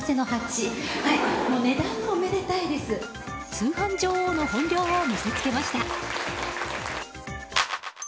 通販女王の本領を見せつけました。